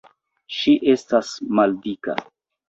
Ŝi estas maldika.